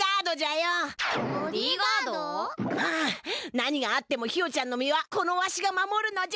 何があってもひよちゃんの身はこのわしが守るのじゃ！